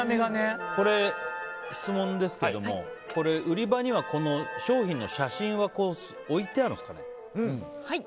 これ、質問ですけれども売り場には、この商品の写真は置いてあるんですかね。